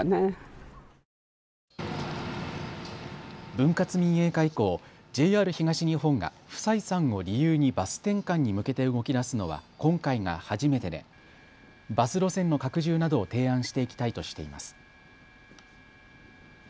分割民営化以降、ＪＲ東日本が不採算を理由にバス転換に向けて動きだすのは今回が初めてでバス路線の拡充などを提案していきたいとしています。